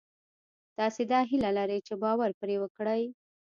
تاسې دا هیله لرئ چې باور پرې وکړئ